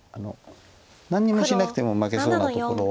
何にもしなくても負けそうなところを。